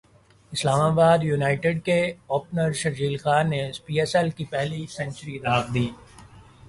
اسلام ابادیونائیٹڈ کے اوپنر شرجیل خان نے P S L کی پہلی سنچری داغ دی